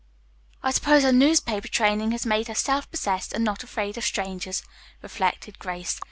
"I suppose her newspaper training has made her self possessed and not afraid of strangers," reflected Grace.